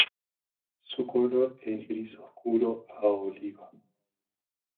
Su color es gris oscuro a oliva.